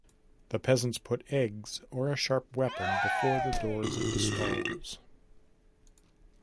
The peasants put eggs or a sharp weapon before the doors of the stalls.